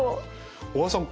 小川さん